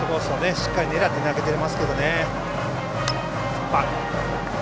しっかり狙って投げていますけどね。